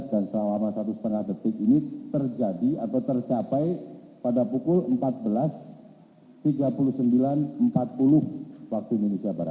dan selama satu lima detik ini terjadi atau tercapai pada pukul empat belas tiga puluh sembilan empat puluh wib